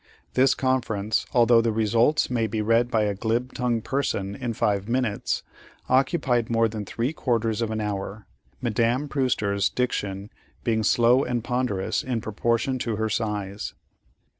This conference, although the results may be read by a glib tongued person in five minutes, occupied more than three quarters of an hour—Madame Prewster's diction being slow and ponderous in proportion to her size.